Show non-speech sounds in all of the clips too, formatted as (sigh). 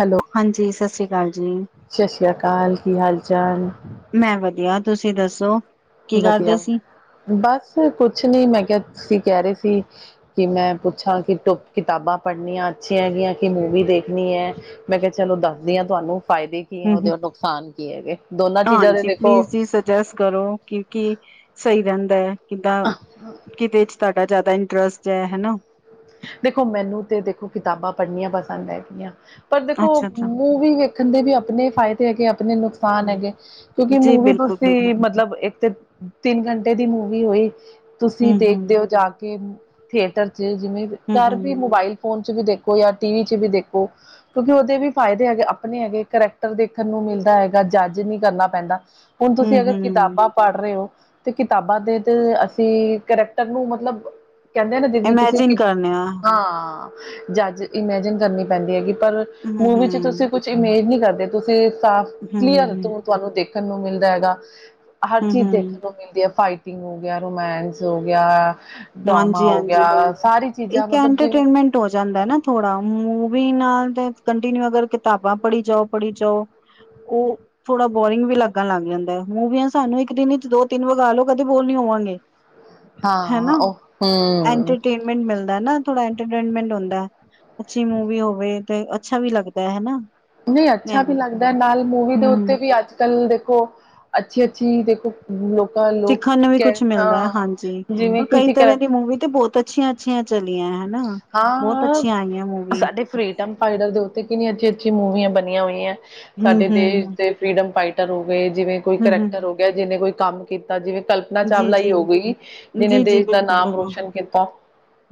Hello. ਹਾਂਜੀ, ਸਤਿ ਸ਼੍ਰੀ ਅਕਾਲ ਜੀ। ਸਤਿ ਸ੍ਰੀ ਅਕਾਲ, ਕੀ ਹਾਲ ਚਾਲ? ਮੈਂ ਵਧੀਆ ਤੁਸੀਂ ਦੱਸੋ? ਕੀ ਕਰਦੇ ਵਧੀਆ, ਸੀ? ਬਸ ਕੁਛ ਨੀ ਮੈਂ ਕੇਆ ਤੁਸੀ ਕੈ ਰੇ ਸੀ ਕਿ ਮੈਂ ਪੁੱਛਾਂ ਕਿ ਕਿਤੋ ਕਿਤਾਬਾਂ ਪੜ੍ਹਨੀਆਂ ਅੱਛੀਆਂ ਹੈਗੀਆਂ ਕਿ ਮੂਵੀ ਦੇਖਨੀ ਐ। ਮੈਂ ਕੈ ਚਲੋ ਦੱਸਦੀ ਆਂ ਤੁਆਨੂੰ ਫਾਏਦੇ ਕੀ ਐ ਓਦੇ ਔਰ ਨੁਕਸਾਨ ਕੀ ਹੈਗੇ। ਦੋਨਾਂ ਚੀਜ਼ਾਂ ਦੇ ਹਾਂਜੀ ਦੇਖੋ ਪਲੀਜ਼ ਜੀ ਸੁਜੈਸਟ ਕਰੋ ਕੀ ਕੀ ਸਈ ਰੈਂਦਾ ਐ। ਕਿੱਦਾਂ ਕਿਦੇ ਚ ਤਾਡਾ ਜਾਦਾ ਇੰਟਰਸਟ ਚੈ ਹੈਨਾ। ਦੇਖੋ ਮੈਨੂੰ ਤੇ ਦੇਖੋ ਕਿਤਾਬਾਂ ਪੜ੍ਹਨੀਆਂ ਪਸੰਦ ਹੈਗੀਆਂ। ਪਰ ਦੇਖੋ ਅੱਛਾ ਅੱਛਾ ਮੂਵੀ ਵੇਖਣ ਦੇ ਵੀ ਅਪਨੇ ਫਾਏਦੇ ਹੈਗੇ ਅਪਣਨੇ ਨੁਕ ਸਾਨ ਹੂੰ। ਹੈਗੇ। ਕਿਉਂਕਿ ਜੀ ਮੂਵੀ ਬਿਲਕੁਲ ਬਿਲਕੁਲ ਤੁਸੀ ਮਤਲਬ ਏਕ ਤੇ ਤਿੰਨ ਘੰਟੇ ਦੀ ਮੂਵੀ ਹੋਈ, ਤੁਸੀਂ ਹੂੰ ਹੂੰ ਦੇਖਦੇ ਹੋ ਜਾ ਕੇ ਮੂ ਥੀਏਟਰ 'ਚ, ਜਿਵੇਂ ਹੂੰ ਘਰ ਵੀ ਹੂੰ ਮੋਬਾਇਲ ਫੋਨ 'ਚ ਵੀ ਦੇਖੋ ਜਾਂ ਟੀਵੀ 'ਚ ਵੀ ਦੇਖੋ। ਕਿਉਂਕਿ ਉਹਦੇ ਵੀ ਫਾਇਦੇ ਹੈਗੇ ਆਪਣੇ ਹੈਗੇ ਕਰੈਕਟਰ ਦੇਖਣ ਨੂੰ ਮਿਲਦਾ ਹੈਗਾ ਜੱਜ ਨੀ ਕਰਨਾ ਪੈਂਦਾ। ਹੁਨ ਤੁਸੀਂ ਹੂੰ ਅਗਰ ਹੂੰ ਕਿਤਾਬਾਂ ਪੜ ਰਹੇ ਹੋ, ਤੇ ਕਿਤਾਬਾਂ ਦੇ ਤੇ ਅਸੀਂ ਕਰੈਕਟਰ ਨੂੰ ਮਤਲਬ ਕਹਿੰਦੇ ਨੇ ਜਿੰਨੀ ਤੁਸੀਂ ਇਮੈਜਿਨ ਕਿ ਕਰਨੇ ਆ ਹਾਂ ਜੱਜ ਇਮੈਜਿਨ ਕਰਨੀ ਪੈਂਦੀ ਹੈਗੀ, ਪਰ ਹੂੰ ਮੂਵੀ 'ਚ ਹੂੰ। ਤੁਸੀਂ ਕੁਛ ਇਮੇਜ ਨਹੀਂ ਕਰਦੇ, ਤੁਸੀਂ ਸਾਫ ਹੂੰ ਕਲੀਅਰ ਤਾਂ ਤੁਹਾਨੂੰ ਦੇਖਣ ਨੂੰ ਮਿਲਦਾ ਹੈਗਾ। ਹਰ ਹੂੰ ਚੀਜ਼ ਦੇਖਣ ਹੂੰ ਨੂੰ ਮਿਲਦੀ, ਫਾਈਟਿੰਗ ਹੋ ਗਿਆ, ਰੋਮੈਂਸ ਹੋ ਗਿਆ ਡਰਾਮਾ ਹਾਂਜੀ ਹੋ ਹਾਂਜੀ ਗਿਆ ਸਾਰੀ ਚੀਜ਼ਾਂ ਇੱਕ ਮਤਲਬ ਐਂਟਰਟੇਨਮੈਂਟ ਜਿਵੇਂ ਐਂਟਰਟੇਨਮੈਂਟ ਹੋ ਜਾਂਦਾ ਨਾ ਥੋੜਾ, ਮੂਵੀ ਨਾਲ ਤੇ ਕੰਟੀਨਿਊ ਅਗਰ ਕਿਤਾਬਾਂ ਪੜ੍ਹੀ ਜਾਓ ਪੜ੍ਹੀ ਜਾਓ ਓ ਥੋੜਾ ਬੋਰਿੰਗ ਵੀ ਲੱਗਣ ਲੱਗ ਜਾਂਦਾ ਏ, ਮੂੰਵੀਆਂ ਸਾਨੂੰ ਇੱਕ ਦਿਨ 'ਚ ਦੋ- ਤਿੰਨ ਵਗਾ ਲਓ ਕਦੇ ਬੋਰ ਨੀ ਹੋਵਾਂਗੇ। (inaudible) ਹਾਂ ਹਨਾ ਓ ਐਂਟਰਟੇਨਮੈਂਟ ਮਿਲਦਾ ਨਾ, ਥੋੜਾ ਐਂਟਰਟੇਨਮੈਂਟ ਹੁੰਦਾ। ਅੱਛੀ ਮੂਵੀ ਹੋਵੇ ਤੇ ਅੱਛਾ ਵੀ ਲੱਗਦਾ ਹੈਨਾ। ਨਹੀਂ ਅੱਛਾ ਵੀ ਲੱਗਦਾ, ਨਾਲ ਮੂਵੀ ਦੇ ਹਮ ਉੱਤੇ ਵੀ ਅੱਜ- ਕੱਲ ਦੇਖੋ ਅੱਛੀ- ਅੱਛੀ ਦੇਖੋ। ਹਮ ਲੋਕਾਂ ਲਈ ਸਿੱਖਣ ਨੂੰ ਵੀ ਕੁਛ ਮਿਲਦਾ, ਹਾਂਜੀ ਜਿਵੇਂ ਕਈ ਕਿਸੇ ਤਰ੍ਹਾਂ ਦੀ ਕਰੈਕਟ ਮੂਵੀ ਤੇ ਬਹੁਤ ਅੱਛੀਆਂ ਅੱਛੀਆਂ ਚਲੀਆਂ ਹੈਂ। ਹਨਾ, ਬਹੁਤ ਹਾਂ ਅੱਛੀਆਂ ਆਈਆਂ ਮੂਵੀ। ਸਾਡੇ ਫਰੀਡਮ ਫਾਈਟਰ ਦੇ ਉੱਤੇ ਕਿੰਨੀ ਅੱਛੀਆਂ ਅੱਛੀਆਂ ਮੂਵੀਆਂ ਬਣੀਆਂ ਹੋਈਆਂ ਹਮ ਸਾਡੇ ਦੇਸ਼ ਹਮ ਦੇ ਫਰੀਡਮ ਫਾਈਟਰ ਹੋ ਗਏ, ਜਿਵੇਂ ਕੋਈ ਹਮ ਕਰੈਕਟਰ ਹੋ ਹਮ ਗਿਆ ਜਿਹਨੇ ਕੋਈ ਕੰਮ ਕੀਤਾ, ਜਿਵੇਂ ਕਲਪ ਨਾਂ ਜੀ ਚਾਵਲਾ ਹੀ ਜੀ ਹੋ ਗਈ, ਜਿਹਨੇ ਜੀ ਜੀ ਦੇਸ਼ ਦਾ ਬਿਲਕੁਲ ਨਾਮ ਬਿਲਕੁਲ ਰੋਸ਼ਨ ਕੀਤਾ।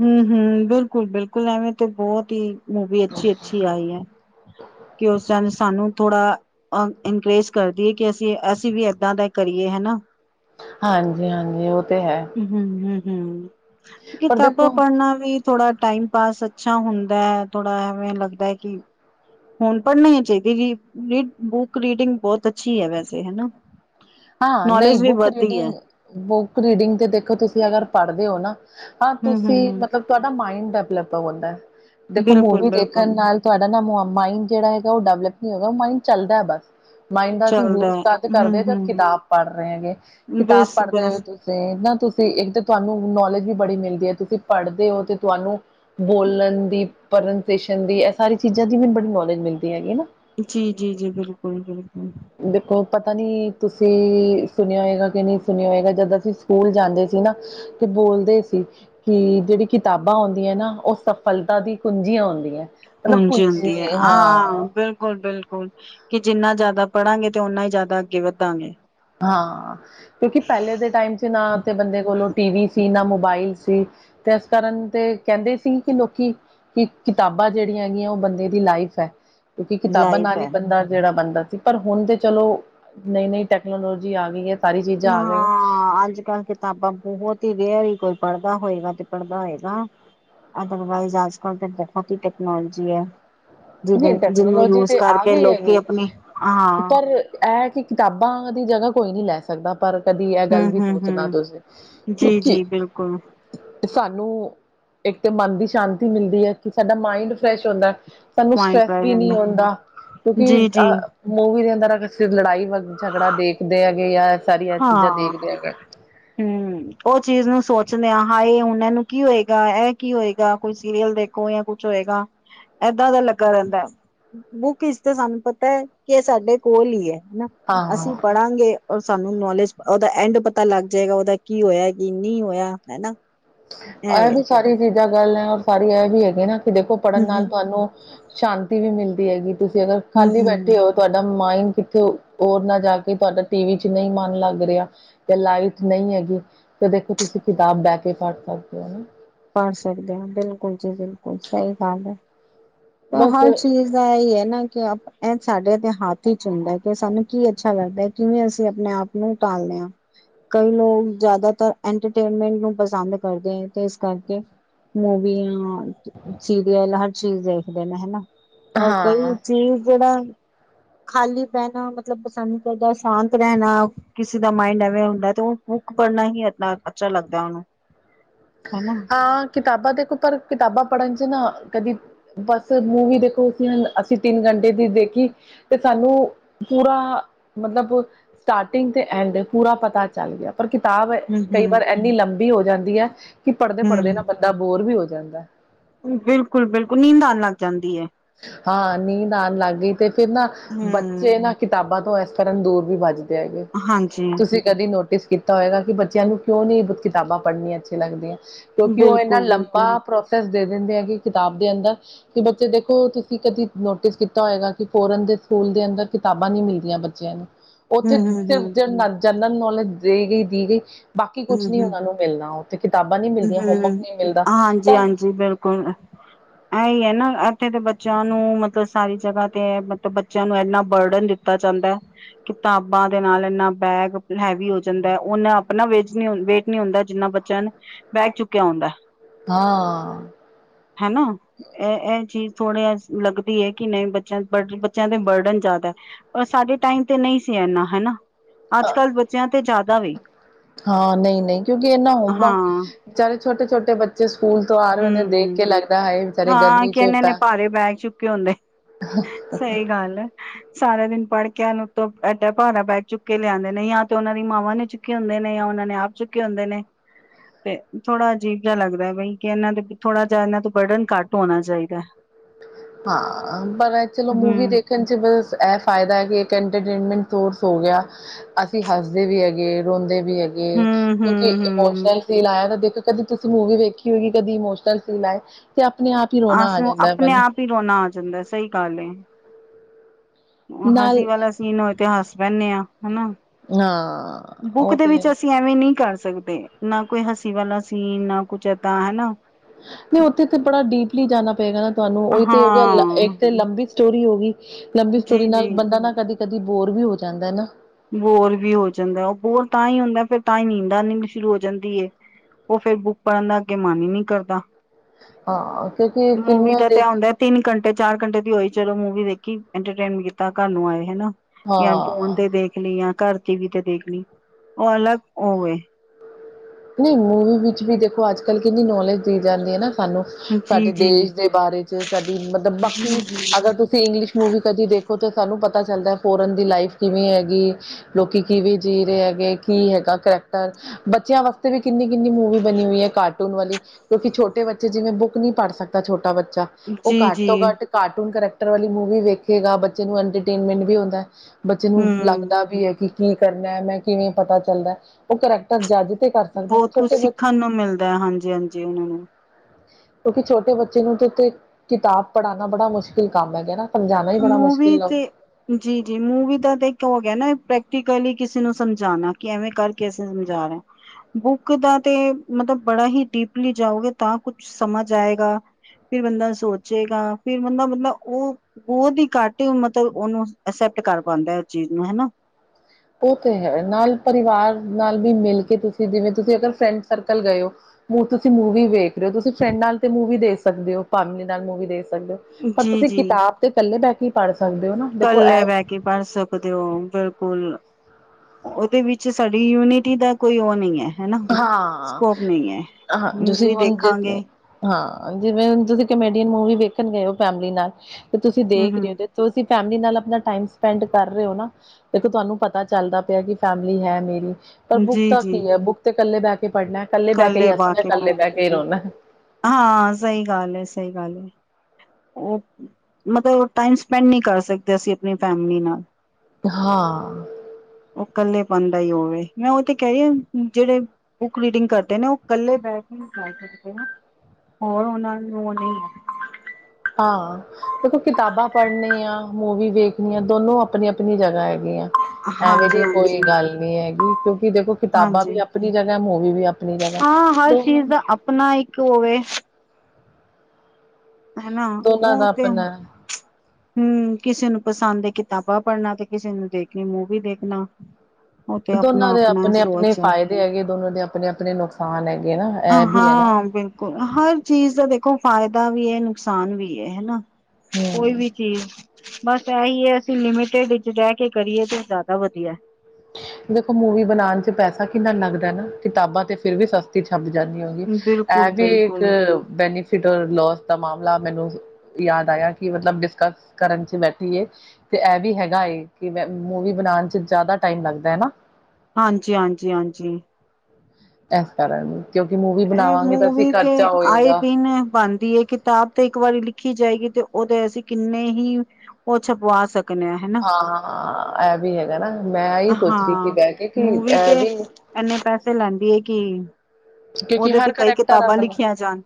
ਹਮ -ਹਮ, ਬਿਲਕੁਲ- ਬਿਲਕੁਲ ਐਵੇਂ ਤੇ ਬਹੁਤ ਹੀ ਮੂਵੀ ਅੱਛੀ- ਅੱਛੀ ਆਈ ਹੈ ਕਿ ਉਸ ਟੈਨਸ ਸਾਨੂੰ ਥੋੜ੍ਹਾ ਅ ਇਨਕਰੇਜ ਕਰਦੀ ਕਿ ਅਸੀਂ ਅਸੀਂ ਵੀ ਐਦਾਂ ਦਾ ਕਰੀਏ ਹਨਾ। ਹਾਂਜੀ- ਹਾਂਜੀ ਉਹ ਤੇ ਹੈ। ਹਮ- ਹਮ -ਹਮ ਪਰ ਕਿਤਾਬਾਂ ਦੇਖੋ ਪੜ੍ਹਨਾ ਵੀ ਥੋੜਾ ਟਾਈਮ ਪਾਸ ਅੱਛਾ ਹੁੰਦਾ, ਥੋੜਾ ਐਵੇਂ ਲੱਗਦਾ ਕਿ ਹੁਣ ਪੜ੍ਹਨੀਆਂ ਚਾਹੀਦੀ ਹੀ, ਰੀਡ ਬੁੱਕ ਰੀਡਿੰਗ ਬਹੁਤ ਅੱਛੀ ਹੈ ਵੈਸੇ ਹੈਨਾ ਹਾਂ, ਨਹੀਂ ਬੁੱਕ ਰੀਡਿੰਗ ਬੁੱਕ ਰੀਡਿੰਗ ਤੇ ਦੇਖੋ ਤੁਸੀਂ ਅਗਰ ਪੜ੍ਹਦੇ ਹੋ ਨਾ, ਹਾਂ ਤੁਸੀਂ ਹੂੰ-ਹੂੰ-ਹੂੰ। ਮਤਲਬ ਤਾਡਾ ਮਾਇੰਡ ਡਿਵਲਪ ਹੁੰਦਾ, ਦੇਖੋ ਮੂਵੀ ਦੇਖਣ ਬਿਲਕੁਲ-ਬਿਲਕੁਲ ਨਾਲ। ਤਾਡਾ ਨਾ ਮਾਈੰਡ ਜਿਹੜਾ ਹੈਗਾ ਉਹ ਡਿਵਲਪ ਨਹੀਂ ਹੋਗਾ ਉਹ ਮਾਈੰਡ ਚੱਲਦਾ ਹੈ ਬਸ। ਮਾਇੰਡ ਦਾ ਅਸੀਂ ਚੱਲਦਾ ਯੂਜ ਹੈ। ਤਦ ਕਰਦੇ ਜਦ ਹੂੰ-ਹੂੰ। ਕਿਤਾਬ ਪੜ੍ਹ ਰਹੇ ਹੈਗੇ, ਕਿਤਾਬ ਪੜ੍ਹਦੇ ਹੋਏ ਬਸ-ਬਸ ਤੁਸੀਂ। ਤੇ ਨਾ ਤੁਸੀਂ ਇੱਕ ਤਾਂ ਤੁਹਾਨੂੰ ਨੌਲੇਜ ਵੀ ਬੜੀ ਮਿਲਦੀ ਏ, ਤੁਸੀਂ ਪੜ੍ਹਦੇ ਹੋ ਤੇ ਤੁਹਾਨੂੰ ਬੋਲਣ ਦੀ, ਪਰਣਤੇਸ਼ਨ ਦੀ ਐਹ ਸਾਰੀ ਚੀਜ਼ਾਂ ਦੀ ਬੜੀ ਨੋਲੇਜ ਮਿਲਦੀ ਹੈਗੀ ਨਾ ਜੀ, ਜੀ, ਜੀ ਬਿਲਕੁਲ, ਬਿਲਕੁਲ। ਦੇਖੋ ਪਤਾ ਨੀ ਤੁਸੀਂ ਸੁਣਿਆ ਹੋਏਗਾ ਕਿ ਨਹੀਂ ਸੁਣਿਆ ਹੋਏਗਾ ਜਦ ਅਸੀਂ ਸਕੂਲ ਜਾਂਦੇ ਸੀ ਨਾ ਬੋਲਦੇ ਸੀ। ਕਿ ਜਿਹੜੀ ਕਿਤਾਬਾਂ ਹੁੰਦੀਆਂ ਨਾ, ਉਹ ਸਫਲਤਾ ਦੀ ਕੁੰਜੀਆਂ ਹੁੰਦੀਆਂ। ਮਤਲਬ ਪੂੰਜੀ ਕੁੰਜੀ ਹੁੰਦੀ, ਹਾਂ ਬਿਲ ਬਿਲਕੁਲ, ਬਿਲਕੁਲ ਕਿ ਜਿੰਨਾ ਜ਼ਿਆਦਾ ਪੜਾਂਗੇ ਤੇ ਓਨਾ ਜ਼ਿਆਦਾ ਅੱਗੇ ਵੱਧਾਂਗੇ। ਹਾਂ, ਕਿਉਂਕਿ ਪੈਲੇ ਦੇ ਟਾਈਮ ਚ ਨਾ ਤੇ ਬੰਦੇ ਕੋਲੋਂ ਨਾ ਟੀ ਵੀ ਸੀ, ਨਾ ਮੋਬਾਈਲ ਸੀ ਤੇ ਏਸ ਕਾਰਨ ਤੇ ਕੈਂਦੇ ਸੀ ਕਿ ਲੋਕੀ ਕਿ ਕਿਤਾਬਾਂ ਜੇੜੀਆਂ ਹੈਗੀਆਂ, ਓਹ ਬੰਦੇ ਦੀ ਲਾਈਫ ਐ। ਕਿਉਂਕਿ ਕਿਤਾਬਾਂ ਲਾਈਫ ਨਾਲ ਈ ਹੈ ਬੰਦਾ ਜੇੜਾ ਬਣਦਾ ਸੀ, ਪਰ ਹੁਣ ਤੇ ਚਲੋ ਨਈ-ਨਈ ਟੈਕਨੋਲੋਜੀ ਆ ਗਈ ਏ। ਨਾਂ ਅੱਜ-ਕੱਲ ਕਿ ਤਾਂਬਾ ਬੋਹਤ ਹੀ ਰੇਅਰ ਈ ਕੋਈ ਪੜ੍ਹਦਾ ਹੋਏਗਾ ਤੇ ਪੜ੍ਹਦਾ ਹੋਏਗਾ। ਅਦਰਵਾਈਜ਼ ਅੱਜ-ਕੱਲ ਤਾਂ ਬੋਹਤ ਈ ਟੈਕਨੋਲੋਜੀ ਐ। ਜਿਦੇ ਨਹੀਂ ਜਿਨੂੰ ਟੈਕਨੋਲੋਜੀ ਯੂਜ ਤੇ ਆ ਕਰਕੇ ਲੋਕੀ ਆਪਣੀ, ਹਾਂ ਤੇ ਐ ਕਿ ਕਿਤਾਬਾਂ ਦੀ ਜਗ੍ਹਾ ਕੋਈ ਨੀ ਲੈ ਸਕਦਾ। ਪਰ ਕਦੀ ਐ ਗੱਲ ਹਮ ਵੀ ਹਮ ਸੋਚਣਾ ਹਮ ਤੁਸੀਂ, ਜੀ ਕਿਉਂਕਿ ਜੀ ਬਿਲਕੁਲ ਸਾਨੂੰ, ਏਕ ਤਾਂ ਮਨ ਦੀ ਸ਼ਾਂਤੀ ਮਿਲਦੀ ਐ ਕਿ ਸਾਡਾ ਮਾਇੰਡ ਫਰੈਸ਼ ਹੁੰਦਾ ਐ। ਸਾਨੂੰ ਪੁਆਇੰਟ ਸਟਰੈਸ ਪੈ ਵੀ ਨੀ ਜਾਂਦਾ ਹੂੰਦਾ ਕਿਉਂਕਿ ਜੀ ਅ ਜੀ ਮੂਵੀ ਦੇ ਅੰਦਰ ਅਸੀ ਸਿਰ ਲੜਾਈ ਵ ਝਗੜਾ ਦੇਖਦੇ ਹੈਗੇ ਆ- ਹਾਂ, ਹੂੰ। ਓ ਚੀਜ਼ ਨੂੰ ਸੋਚਦੇ ਆ ਹਾਏ ਹੁਣ ਏਨੂੰ ਕੀ ਹੋਏਗਾ, ਐ ਕੀ ਹੋਏਗਾ ਕੋਈ ਸੀਰੀਅਲ ਦੇਖ ਕੋਏ ਜਾਂ ਕੁਛ ਹੋਏਗਾ, ਏਦਾਂ ਦਾ ਲੱਗਾ ਰੈਂਦਾ। ਬੁੱਕ ਇਸ ਤੇ ਸਾਨੂੰ ਪਤਾ ਐ ਕਿ ਏ ਸਾਡੇ ਕੋਲ ਈ ਐ ਹਨਾ ਹਾਂ ਅਸੀਂ ਪੜਾਂਗੇ ਔਰ ਸਾਨੂੰ ਨੌਲੇਜ ਓਦਾ ਐਂਡ ਪਤਾ ਲੱਗ ਜਾਏਗਾ ਓਦਾ ਕੀ ਹੋਯਾ ਕੀ ਨੀ ਹੋਯਾ ਹੈਨਾ। ਐ ਵੀ ਸਾਰੀ ਚੀਜ਼ਾਂ ਗੱਲ ਐ ਔਰ ਸਾਰੀ ਐਵੀ ਹੈਗੀ ਨਾ ਕਿ ਦੇਖੋ ਪੜ੍ਹਨ ਨਾਲ ਹੂੰ-ਹੂੰ, ਤੁਆਨੂੰ ਸ਼ਾਂਤੀ ਵੀ ਮਿਲਦੀ ਹੈਗੀ ਤੁਸੀਂ ਅਗਰ ਖਾਲੀ ਬੈਠੇ ਹੂੰ-ਹੂੰ ਓ ਤੁਆਡਾ ਮਾਇਡ ਕਿੱਥੇ ਹੋਰ ਨਾ ਜਾ ਕੇ ਤੁਆਡਾ ਟੀ ਵੀ ਚ ਨਈ ਮਨ ਲੱਗ ਰੇਆ। ਤੇ ਲਾਈਟ ਨਈ ਹੈਗੀ, ਤੇ ਦੇਖੋ ਤੁਸੀਂ ਕਿਤਾਬ ਬੈ ਕੇ ਪੜ ਸਕਦੇ ਓ ਨਾ। ਪੜ ਸਕਦੇ ਆ ਬਿਲਕੁਲ ਜੀ ਬਿਲਕੁਲ ਸਈ ਗੱਲ ਐ ਤੇ ਬਸ ਹਰ ਚੀਜ਼ ਐ ਈ ਏ ਨਾ ਕਿ ਆਪ ਏ ਸਾਡੇ ਤੇ ਹੱਥ ਇਚ ਹੁੰਦਾ ਐ ਕਿ ਸਾਨੂੰ ਕੀ ਅੱਛਾ ਲੱਗਦਾ ਏ ਕਿਵੇਂ ਅਸੀਂ ਆਪਣੇ ਆਪ ਨੂੰ ਟਾਲਨੇ ਆ। ਕਈ ਲੋਗ ਜ਼ਿਆਦਾਤਰ ਇੰਟਰਟੇਨਮੈਂਟ ਨੂੰ ਪਸੰਦ ਕਰਦੇ ਏ ਤੇ ਕਰਕੇ, ਮੂਵੀਆਂ, ਸੀਰੀਅਲ ਹਰ ਚੀਜ਼ ਦੇਖਦੇ ਨੇ ਹੈਨਾ। ਹੋਰ ਹਾਂ ਕੋਈ ਚੀਜ਼ ਜੇੜਾ ਖਾਲੀ ਬੈਨਾ ਮਤਲਬ ਪਸੰਦ ਕਰਦਾ ਸ਼ਾਂਤ ਰੈਨਾ। ਕਿਸੇ ਦਾ ਮਾਇੰਡ ਐਵੇਂ ਹੁੰਦਾ ਤੇ ਓ ਬੁੱਕ ਪੜ੍ਹਨਾ ਈ ਇਤਨਾ ਈ ਅੱਛਾ ਲੱਗਦਾ ਓਨੂੰ। ਹੈਨਾ। ਹਾਂ ਕਿਤਾਬਾਂ ਦੇਖੋ ਪਰ ਕਿਤਾਬਾਂ ਪੜ੍ਹਨ ਚ ਨਾ ਕਦੀ ਬਸ ਮੂਵੀ ਦੇਖੋ ਅਸੀਂ ਅਸੀਂ ਤਿੰਨ ਘੰਟੇ ਦੀ ਦੇਖੀ ਫੇਰ ਸਾਨੂੰ, ਪੂਰਾ ਮਤਲਬ ਸਟਾਰਟਿੰਗ ਤੇ ਐਂਡ ਪੂਰਾ ਪਤਾ ਚੱਲ ਗਿਆ। ਪਰ ਕਿਤਾਬ ਹੂੰ ਕਈ ਹੂੰ ਵਾਰ ਐੰਨੀ ਲੰਬੀ ਹੋ ਜਾਂਦੀ ਐ, ਕਿ ਪੜ੍ਹਦੇ-ਪੜ੍ਹਦੇ ਨਾ ਬੰਦਾ ਬੋਰ ਵੀ ਹੋ ਜਾਂਦਾ। ਬਿਲਕੁਲ-ਬਿਲਕੁਲ ਨੀਂਦ ਆਣ ਲੱਗ ਜਾਂਦੀ ਐ। ਹਾਂ ਨੀਂਦ ਆਣ ਲੱਗ ਗਈ ਤੇ ਫੇਰ ਨਾ ਹੂੰ ਬੱਚੇ ਨਾ ਕਿਤਾਬਾਂ ਤੋਂ ਏਸ ਕਰਨ ਦੂਰ ਵੀ ਭੱਜਦੇ ਹੈਗੇ ਹਾਂਜੀ ਤੁਸੀਂ ਕਦੇ ਨੋਟਿਸ ਕੀਤਾ ਹੋਏਗਾ ਕਿ ਬੱਚਿਆਂ ਨੂੰ ਕਿਉਂ ਨੀ ਕਿਤਾਬਾਂ ਪੜ੍ਹਨੀਆਂ ਅੱਛੀਆਂ ਲੱਗਦੀਆਂ। ਕਿਉਂਕਿ ਓ ਏਨਾ ਬਿਲਕੁਲ ਲੰਬਾ ਬਿਲਕੁਲ ਪ੍ਰੋਸੈਸ ਦੇ ਦਿੰਦੇ ਹੈਗੇ ਕਿਤਾਬ ਦੇ ਅੰਦਰ, ਕਿ ਬੱਚੇ ਦੇਖੋ ਦੇਖੋ ਤੁਸੀਂ ਕਦੀ ਨੋਟਿਸ ਕੀਤਾ ਹੋਏਗਾ ਕਿ ਫੋਰਨ ਦੇ ਸਕੂਲ ਦੇ ਅੰਦਰ ਕਿਤਾਬਾਂ ਨੀ ਮਿਲਦੀਆਂ ਬੱਚਿਆਂ ਨੂੰ। ਓਥੇ ਹੂੰ ਹੂੰ ਸਿਰਫ ਹੂੰ ਜਨਰਲ ਜਨਰਲ ਨੌਲੇਜ ਦੇ ਗਈ ਦੀ ਗਈ ਬਾਕੀ ਕੁਛ ਹੂੰ ਨੀ ਓਨਾਂ ਨੂੰ ਮਿਲਣਾ। ਤੇ ਕਿਤਾਬਾਂ ਨੀ ਮਿਲਦੀਆਂ ਹੂੰ, ਹੋਮਵਰਕ ਨਹੀਂ ਮਿਲਦਾ ਤਾਂ ਹਾਂਜੀ-ਹਾਂਜੀ, ਬਿਲਕੁਲ। ਐਈ ਐਨਾ ਏਥੇ ਦੇ ਬੱਚੇਆਂ ਨੂੰ ਮਤਲਬ ਸਾਰੀ ਜਗ੍ਹਾ ਤੇ ਮਤਲਬ ਬੱਚੇਆਂ ਨੂੰ ਏਨਾ ਬਰਡਨ ਦਿੱਤਾ ਦਿੱਤਾ ਜਾਂਦੈ। ਕਿਤਾਬਾਂ ਦੇ ਨਾਲ ਏਨਾ ਬੈਗ ਹੈਵੀ ਹੋ ਜਾਂਦਾ, ਓਨਾ ਅਪਣਾ ਵੇਜ ਵੇਟ ਨੀ ਹੁੰਦਾ ਜਿੰਨਾ ਬੱਚ ਚਨ ਬੈਗ ਚੁੱਕੇਆ ਹੁੰਦਾ। ਹਾਂ। ਹੈਨਾ। ਐ ਐ ਚੀਜ ਥੋੜ੍ਹੇ ਲੱਗਦੀ ਐ ਕਿ ਨਈਂ ਬੱਚੇਆਂ ਬੱਚੇਆਂ ਦੇ ਬਰਡਨ ਜਾਦਾ। ਪਰ ਸਾਡੇ ਟਾਈਮ ਤੇ ਨਈਂ ਸੀ ਏਨਾ ਹੈਨਾ, ਅੱਜ-ਕੱਲ ਬੱਚਿਆਂ ਤੇ ਜਾਦਾ ਵੇਟ। ਹਾਂ, ਨਈਂ-ਨਈਂ, ਕਿਉਂਕਿ ਏਨਾ ਹੋਮਵਰਕ ਵਿਚਾਰੇ ਛੋਟੇ-ਛੋਟੇ ਬੱਚੇ ਬੱਚੇ ਸਕੂਲ ਤੋਂ ਆਰੇ ਹੁੰਦੇ ਦੇਖ ਹਮ ਕੇ ਲੱਗਦਾ, ਹਾਏ! ਹਾਂ, ਕਿ ਏਨੇ-ਏਨੇ ਨੇ ਭਾਰੇ ਬੈਗ ਚੁੱਕੇ ਹੁੰਦੇ, ਸਈ ਗੱਲ ਸਾਰੇ ਦਿਨ ਪੜ੍ਹ ਕੇ ਉੱਤੋਂ ਐਡਾ ਭਾਰਾ ਬੈਗ ਚੁੱਕ ਕੇ ਲਿਆਦੇ ਨੇ ਯਾਂ ਤੇ ਓਨਾਂ ਦੀ ਮਾਵਾਂ ਨੇ ਚੁੱਕੇ ਹੁੰਦੇ ਨੇ ਜਾਂ ਓਨਾਂ ਨੇ ਆਪ ਚੁੱਕੇ ਹੁੰਦੇ ਨੇ। ਤੇ ਥੋੜਾ ਅਜੀਬ ਜੇਆ ਲੱਗਦਾ ਬਈ, ਕਿ ਏਨਾਂ ਦੇ ਥੋੜਾ ਜੇਆ ਏਨਾਂ ਤੋਂ ਬਰਡਨ ਘੱਟ ਹੋਣਾ ਚਾਈਦੈ। ਹਾਂ, ਪਰ ਐ ਚਲੋ ਮੂਵੀ ਹਮ ਦੇਖਣ ਬਸ ਐ ਫਾਏਦਾ ਕਿ ਇੱਕ ਐੰਟਰਟੇਨਮੈਂਟ ਸੋਰਸ ਹੋ ਗਿਆ ਅਸੀ ਹੱਸਦੇ ਵੀ ਹੈਗੇ, ਰੋਂਦੇ ਵੀ ਹੈਗੇ, ਹਮ ਕਿਉਂਕਿ ਹਮ ਹਮ ਇਮੋਸ਼ਨਲ ਫੀਲ ਆਯਾ ਤਾਂ ਦੇਖੋ ਕਦੀ ਤੁਸੀਂ ਮੂਵੀ ਵੇਖੀ ਹੋਗੀ ਕਦੇ ਇਮੋਸ਼ਨਲ ਫੀਲ ਆਏ ਤੇ ਆਪਣੇ ਆਪ ਈਂ ਰੋਣਾ ਆ ਜਾਂਦਾ ਐ ਮਨੂੰ। ਈ ਰੋਣਾ ਆ ਜਾਂਦੈ, ਸਈ ਗੱਲ ਏ। ਹਸੀ ਨਾਲ ਵਾਲਾ ਸੀਨ ਹੋਏ ਤਾ, ਹੱਸ ਪੈਨੇ ਆ, ਹੈਨਾ। ਹਾਂ, ਓ ਤੇ ਹੈ। ਐਵੇਂ ਨਈਂ ਕਾਰ ਸਕਦੇ ਨਾ ਕੋਈ ਹਸੀ ਵਾਲਾ ਸੀਨ, ਨਾ ਕੁਛ ਏਦਾਂ ਹੈਨਾ। ਨਈਂ ਓਥੇ ਤੇ ਬੜਾ ਡੀਪਲੀ ਜਾਣਾ ਪਏਗਾ ਨਾ ਤੁਆਨੂੰ ਓਇ ਤੇ ਹੋ ਗਿਆ ਇੱਕ ਹਾਂ ਤੇ ਲੰਬੀ ਸਟੋਰੀ ਹੋ ਗਈ, ਲੰਬੀ ਸਟੋਰੀ ਜੀ ਨਾਲ ਜੀ ਬੰਦਾ ਨਾ ਕਦੀ-ਕਦੀ ਬੋਰ ਵੀ ਹੋ ਜਾਂਦਾ ਨਾ। ਬੋਰ ਵੀ ਹੋ ਜਾਂਦਾ, ਓ ਬੋਰ ਤਾਂਹੀ ਹੁੰਦਾ ਫੇਰ ਤਾਂਹੀ ਨੀਂਦ ਆਨੀ ਸ਼ੁਰੂ ਹੋ ਜਾਂਦੀ ਏ। ਓ ਫੇਰ ਬੁੱਕ ਪੜ੍ਹਨ ਦਾ ਅੱਗੇ ਮਨ ਈਂ ਨਈਂ ਕਰਦਾ। ਹਾਂ, ਕਿਉਂਕਿ ਮੂਵੀ ਫਿਲਮੈਂ ਦਾ ਤੇ ਦੇਖ ਹੁੰਦਾ ਤਿੰਨ ਘੰ, ਟੇ ਚਾਰ ਘੰਟੇ ਦੀ ਹੋਈ ਚਲੋ ਮੂਵੀ ਦੇਖੀ ਇੰਟਰਟੇਨਮ ਕੀਤਾ ਘਰ ਨੂੰ ਆਏ, ਹੈਨਾ। ਯਾਂ ਫੋਨ ਹਾਂ। ਤੇ ਦੇਖ ਲਈ ਯਾਂ ਘਰ ਟੀਵੀ ਤੇ ਦੇਖ ਲਈ, ਓ ਅਲੱਗ ਓ ਵੇ। ਨਈਂ, ਮੂਵੀ ਵਿੱਚ ਵੀ ਦੇਖੋ ਅੱਜ-ਕੱਲ ਕਿੰਨੀ ਨੌਲੇਜ ਦੀ ਜਾਂਦੀ ਐਨਾ ਸਾਨੂੰ। ਜੀ ਸਾਡੇ ਜੀ ਦੇਸ਼ ਦੇ ਬਾਰੇ ਚ ਸਾਡੀ ਮਤਲਬ, ਬਾਕੀ ਅਗਰ ਤੁਸੀਂ ਇੰਗਲਿਸ਼ ਮੂਵੀ ਕਦੀ ਦੇਖੋ, ਤਾਂ ਸਾਨੂੰ ਪਤਾ ਚੱਲਦਾ ਫੋਰਨ ਦੀ ਲਾਈਫ ਕਿਵੇਂ ਹੈਗੀਏ? ਲੋਕੀ ਕਿਵੇਂ ਜੀ ਰਹੇ ਹੈਗੇ, ਕੀ ਹੈਗਾ ਕਰੈਕਟਰ। ਬੱਚਿਆਂ ਵਾਸਤੇ- ਵੀ ਕਿੰਨੀ-ਕਿੰਨੀ ਮੂਵੀ ਬਣੀ ਹੋਈ ਐ, ਕਾਰਟੂਨ ਵਾਲੀ। ਕਿਉਂਕਿ ਛੋਟੇ ਬੱਚੇ ਜਿਵੇਂ ਬੁੱਕ ਨੀਂ ਪੜ ਸਕਦਾ ਛੋਟਾ ਬੱਚਾ, ਓ ਜੀ ਘੱਟ ਜੀ ਤੋਂ ਘੱਟ ਕਾਰਟੂਨ ਕਰੈਕਟਰ ਵਾਲੀ ਮੂਵੀ ਵੇਖੇਗਾ, ਬੱਚੇ ਨੂੰ ਇੰਟਰਟੇਨਮੈਂਟ ਵੀ ਹੁੰਦੈ। ਬੱਚੇ ਨੂੰ ਹੂੰ ਲੱਗਦਾ ਵੀ ਐ ਕਿ, ਕੀ ਕਰਨੈ ਮੈਂ ਕਿਵੇਂ ਪਤਾ ਚੱਲਦਾ ਓ ਕਰੈਕਟਰ ਜੱਜ ਤੇ ਕਰ ਸਕਦਾ ਨਾ ਬੋਤ ਕੁਛ ਛੋਟੇ ਬੱਚੇ ਸਿੱਖਣ ਨੂੰ ਮਿਲਦਾ ਐ ਹਾਂਜੀ-ਹਾਂਜੀ, ਓਨਾਂ ਨੂੰ। ਕਿਉਂਕਿ ਛੋਟੇ ਬੱਚੇ ਨੂੰ ਤੇ ਕਿਤਾਬ ਪੜਾਣਾ ਬੜਾ ਮੁਸ਼ਕਿਲ ਕੰਮ ਹੈਗਾ ਨਾ। ਸਮਝਾਉਣਾ ਹੀ ਬੜਾ ਮੂੰਵੀ ਮੁਸ਼ਕਿਲ ਤੇ ਜੀ-ਜੀ ਮੂਵੀ ਦਾ ਤਾਂ ਇੱਕ ਹੋ ਗਿਆ ਨਾ, ਪ੍ਰੈਕਟੀਕਲੀ ਕਿਸੇ ਨੂੰ ਸਮਝਾਣਾ ਕਿ ਐਵੇਂ ਕਰ ਕਿਸੇ ਸਮਝਾ ਰੇ? ਬੁੱਕ ਦਾ 'ਤੇ ਮਤਲਬ ਬੜਾ ਹੀ ਡੀਪਲੀ ਜਾਓਗੇ ਤਾਂ ਕੁੱਛ ਸਮਝ ਆਏਗਾ। ਫਿਰ ਬੰਦਾ ਸੋਚੇਗਾ ਫਿਰ ਬੰਦਾ-ਬੰਦਾ ਓ ਬੋਤ ਈ ਘੱਟ ਮਤਲਬ ਉਨੂੰ ਐਕਸੈਪਟ ਕਰ ਪਾਂਦਾ ਐ ਉਸ ਚੀਜ਼ ਨੂੰ ਹੈਨਾ। ਓ 'ਤੇ ਹੈ ਨਾਲ ਪਰਿਵਾਰ ਨਾਲ ਵੀ ਮਿਲ ਕੇ ਤੁਸੀਂ ਜਿਵੇਂ ਤੁਸੀਂ ਅਗਰ ਫਰੈਂਡ ਸਰਕਲ ਗੇ ਓ ਮੁਵ ਤੁਸੀਂ ਮੂਵੀ ਵੇਖ ਰੇ ਓ ਤੁਸੀਂ ਫਰੈਂਡ ਨਾਲ 'ਤੇ ਮੂਵੀ ਦੇਖ ਸਕਦੇ ਓ, ਪਾਮਿਲੀ ਨਾਲ ਮੂਵੀ ਦੇਖ ਸਕਦੇ ਓ ਪਰ ਜੀ ਤੁਸੀਂ ਜੀ ਕਿਤਾਬ 'ਤੇ ਕੱਲੇ ਬੈਕੇ ਈ ਪੜ ਸਕਦੇ ਓ ਨਾ ਦੇਖੋ ਐ ਕਿ ਪੜ ਸਕਦੇ ਓ ਬਿਲਕੁੱਲ। ਉਦੇ ਵਿੱਚ ਸਾਡੀ ਯੂਨਿਟੀ ਦਾ ਕੋਈ ਓ ਨਈ ਐ। ਹਾਂ, ਹਾਂ ਤੁਸੀਂ ਮੂਵੀ ਹੁਣ ਦੇਖਾਂਗੇ ਦੇਖੋ ਹਾਂ ਜਿਵੇਂ ਹੁਨ ਤੁਸੀਂ ਕਮੇਡੀਅਨ ਮੂਵੀ ਵੇਖਣ ਗਏ ਓ ਫੈਮਿਲੀ ਨਾਲ 'ਤੇ ਤੁਸੀਂ ਹੂੰ ਦੇਖ ਰੇ ਓ ਤੇ ਹੂੰ ਤੁਸੀਂ ਫੈਮਲੀ ਨਾਲ ਆਪਣਾ ਟਾਈਮ ਸਪੈਂਡ ਕਰ ਰੇ ਓ ਨਾ। ਦੇਖੋ ਤੁਹਾਨੂੰ ਪਤਾ ਚੱਲਦਾ ਪਿਆ ਕਿ ਫੈਮਿਲੀ ਹੈ ਮੇਰੀ। ਪਰ ਬੁੱਕ ਜੀ ਤਾਂ ਜੀ ਕੀ ਐ, ਬੁੱਕ ਤੇ ਕੱਲੇ ਬੈ ਕੇ ਪੜਨਾ ਐ, ਕੱਲੇ ਬੈ ਕੇ ਈ ਬਹਿ ਹੱਸਣਾ, ਕੇ ਕੱਲੇ ਪੜ੍ਹ, ਬੈ ਕੇ ਈ ਰੋਣਾ। ਹਾਂ ਸਈ ਗੱਲ ਏ, ਸਈ ਗੱਲ ਏ। ਓ, ਮਤਲਬ ਟਾਈਮ ਸਪੈਂਡ ਨੀ ਕਰ ਸਕਦੇ ਅਸੀਂ ਆਪਣੀ ਫੈਮਲੀ ਨਾਲ। ਹਾਂ। ਓ ਕੱਲੇ ਪਣ ਦਾ ਈ ਹੋਵੇ, ਮੈਂ ਉਹੀ ਤੇ ਕੈ ਰੀ ਆ ਜੇੜੇ ਬੁੱਕ ਰੀਡਿੰਗ ਕਰਦੇ ਨੇ ਓ ਕੱਲੇ ਬੈਕੇ ਈ ਕਰ ਸਕਦੇ ਆ। ਹੋਰ ਉਨਾਂ ਨੂੰ ਓ ਨਈ ਐ। ਹਾਂ। ਦੇਖੋ ਕਿਤਾਬਾਂ ਪੜਨੀਆਂ, ਮੂਵੀ ਵੇਖਣੀਆ, ਦੋਨੋ ਆਪਣੀ-ਆਪਣੀ ਜਗਾ ਹੈਗੀਆਂ। ਐਵੇਂ ਹਾਂਜੀ ਦੀ ਹਾਂਜੀ ਕੋਈ ਗੱਲ ਨੀ ਹੈਗੀ ਕਿਉਂਕਿ ਦੇਖੋ ਕਿਤਾਬਾਂ ਹਾਂਜੀ ਵੀ ਆਪਣੀ ਜਗਾ ਐ, ਮੂਵੀ ਵੀ ਆਪਣੀ ਜਗਾ ਐ। ਹਾਂ ਹਰ ਚੀਜ਼ ਦਾ ਆਪਣਾ ਇੱਕ ਓਵੇ। ਹਨਾ ਦੋਨਾਂ ਓ ਦਾ 'ਤੇ ਆਪਣਾ ਹੂੰ ਕਿਸੇ ਨੂੰ ਪਸੰਦ ਏ ਕਿਤਾਬਾਂ ਪੜਨਾ 'ਤੇ ਕਿਸੇ ਨੂੰ ਦੇਖਣੀ ਮੂਵੀ ਦੇਖਣਾ। ਓ 'ਤੇ ਆਪਣਾ-ਆਪਣਾ ਸੋਚ ਐ। 'ਤੇ ਹੈਗੀ ਐ ਦੋਨੋ ਦੇ ਆਪਣੇ-ਆਪਣੇ ਨੁਕਸ ਥਾਂਨ ਹੈਗੀ ਏ ਨਾ ਹੈ। ਇਹ ਵੀ ਨਾ ਹਾਂ ਬਿਲਕੁੱਲ ਹਰ ਚੀਜ਼ ਦਾ ਦੇਖੋ ਫਾਇਦਾ ਵੀ ਐ, ਨੁਕਸਾਨ ਵੀ ਏ ਹੈਨਾ। ਕੋਈ ਹਮ ਵੀ ਚੀਜ਼ ਬਸ ਐਹੀ ਏ ਅਸੀਂ ਲਿਮਟਿਡ ਵਿੱਚ ਰੈ ਕੇ ਕਰੀਏ 'ਤੇ ਜਿਆਦਾ ਵਧੀਆ ਐ। ਦੇਖੋ ਮੂਵੀ ਬਣਾਣ 'ਚ ਪੈਸਾ ਕਿੰਨਾ ਲੱਗਦੈ ਨਾ, ਕਿਤਾਬਾਂ 'ਤੇ ਫੇਰ ਵੀ ਸਸ ਤੀ ਛੱਪ ਜਾਂਦੀ ਹੋਗੀ ਐ ਵੀ ਇੱਕ ਬਿਲਕੁਲ-ਬਿਲਕੁਲ, ਬੈਨੀ ਫਿਟਲ ਲੋਸ ਦਾ ਮਾਮਲਾ ਮੈਨੂੰ ਯਾਦ ਆਇਆ ਕਿ ਮਤਲਬ ਡਿਸਕਸ ਕਰਨ 'ਚ ਬੈਠੀ ਏ। 'ਤੇ ਐ ਵੀ ਹੈਗਾ ਏ ਕਿ ਮੈਂ ਮੂਵੀ ਬਣਾਣ 'ਚ ਜਿਆਦਾ ਟਾਈਮ ਲੱਗਦਾ ਐ ਨਾ। ਹਾਂਜੀ-ਹਾਂਜੀ-ਹਾਂਜੀ। ਐਸ ਕਾਰਨ। ਕਿਉਂਕਿ ਮੂਵੀ ਐ ਬਣਾਵਾਂਗੇ ਤਾਂ ਅਸੀਂ ਮੂਵੀ 'ਤੇ ਖਰਚਾ ਆਏ ਹੋਏਗਾ ਦਿਨ ਬਣਦੀ ਏ ਕਿ ਤਾਬ 'ਤੇ ਇੱਕ ਵਾਰੀ ਲਿਖੀ ਜਾਏਗੀ 'ਤੇ ਉਦੇ ਅਸੀਂ ਕਿੰਨੇ ਹੀ ਓ ਛਪਵਾ ਸਕਨੇ ਆ। ਹਨਾ। ਹਾਂ-ਹਾਂ ਐ ਵੀ ਹੈਗਾ ਨਾ ਮੈਂ ਏਈ ਸੋਚ ਰੀ ਸੀ ਬੈਕੇ ਕਿ ਅ ਵੀ ਐਨੇ ਪੈਸੇ ਲੈਂਦੀ ਏ ਕਿ ਕਿਉਂਕਿ ਉਦੇ 'ਤੇ ਹਰ ਕਈ ਕਰੈਕਟਰ ਕਿਤਾਬਾਂ ਆਪਣਾ ਲਿਖੀਆਂ ਜਾਣ,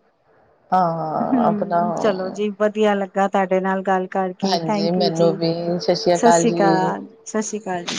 ਹਾਂ ਆਪਣਾ ਹੂੰ ਚਲੋ ਜੀ ਵਧੀਆ ਲੱਗਾ ਤੁਹਾਡੇ ਨਾਲ ਗੱਲ ਕਰਕੇ ਹਾਂਜੀ ਥੈਂਕੂ ਮੈਨੂੰ ਜੀ, ਵੀ ਸਤਿ ਸ੍ਰੀ ਸ ਅਕਾਲ ਸ਼੍ਰੀ ਜੀ ਕਾਲ। ਸ ਸ਼੍ਰੀ ਕਾਲ ਜੀ।